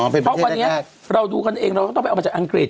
เพราะวันนี้เราดูกันเองเราก็ต้องไปเอามาจากอังกฤษ